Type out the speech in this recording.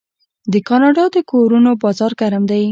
د کاناډا د کورونو بازار ګرم دی.